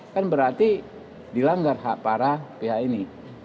kan berarti dilanggar hak para pihak ini